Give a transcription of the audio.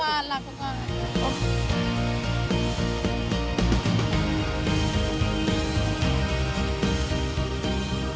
เพราะว่าจริงเราก็รักกันอยู่แล้วค่ะ